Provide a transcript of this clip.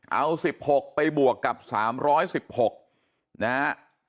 เอา๑๖ไปบวกกับ๓๑๖นะฮะ